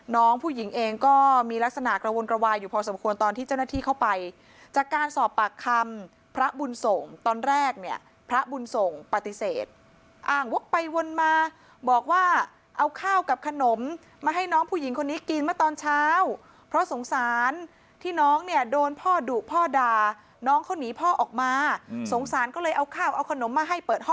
น้องผู้หญิงเองก็มีลักษณะกระวนกระวายอยู่พอสมควรตอนที่เจ้าหน้าที่เข้าไปจากการสอบปากคำพระบุญส่งตอนแรกเนี่ยพระบุญส่งปฏิเสธอ้างวกไปวนมาบอกว่าเอาข้าวกับขนมมาให้น้องผู้หญิงคนนี้กินเมื่อตอนเช้าเพราะสงสารที่น้องเนี่ยโดนพ่อดุพ่อด่าน้องเขาหนีพ่อออกมาสงสารก็เลยเอาข้าวเอาขนมมาให้เปิดห